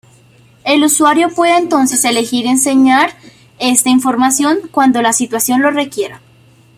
El usuario puede entonces elegir enseñar esta información cuando la situación lo requiera.